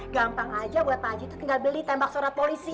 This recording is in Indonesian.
gampang aja buat pak haji itu tinggal beli tembak surat polisi